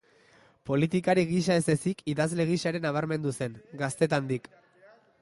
Politikari gisa ez ezik, idazle gisa ere nabarmendu zen, gaztetandik.